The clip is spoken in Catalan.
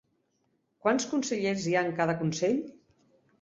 Quants consellers hi ha en cada consell?